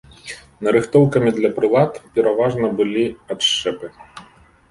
Нарыхтоўкамі для прылад пераважна былі адшчэпы.